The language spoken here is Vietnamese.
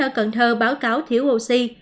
ở cần thơ báo cáo thiếu oxy